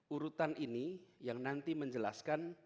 urutan ini yang nanti menjelaskan